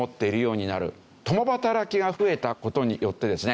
共働きが増えた事によってですね